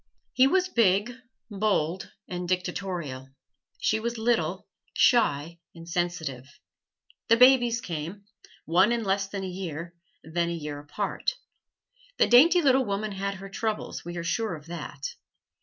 He was big, bold and dictatorial; she was little, shy and sensitive. The babies came one in less than a year, then a year apart. The dainty little woman had her troubles, we are sure of that.